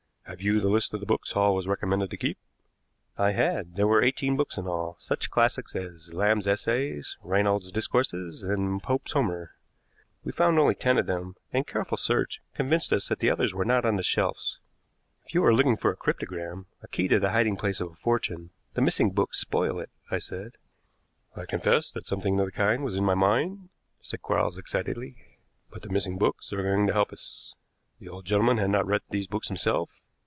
Have you the list of the books Hall was recommended to keep?" I had. There were eighteen books in all, such classics as "Lamb's Essays," "Reynold's Discourses," and "Pope's Homer." We found only ten of them, and careful search convinced us that the others were not on the shelves. "If you are looking for a cryptogram a key to the hiding place of a fortune the missing books spoil it," I said. "I confess that something of the kind was in my mind," said Quarks excitedly, "but the missing books are going to help us. The old gentleman had not read these books himself.